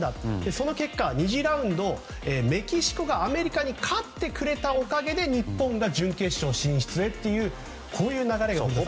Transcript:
その結果２次ラウンドでメキシコがアメリカに勝ってくれたおかげで日本が準決勝進出へという流れがあった。